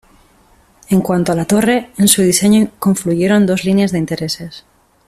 En cuanto a la torre, en su diseño confluyeron dos líneas de intereses.